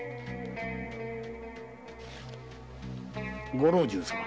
ご老中様